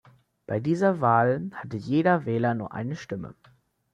Bei dieser Wahl hatte jeder Wähler nur eine Stimme.